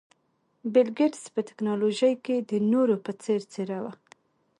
بل ګېټس په ټکنالوژۍ کې د نورو په څېر څېره وه.